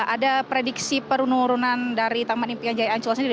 ada prediksi penurunan dari taman impian jaya ancol sendiri